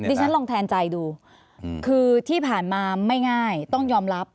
ฉันลองแทนใจดูคือที่ผ่านมาไม่ง่ายต้องยอมรับ